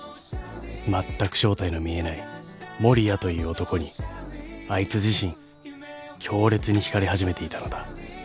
［まったく正体の見えない守谷という男にあいつ自身強烈に引かれ始めていたのだ］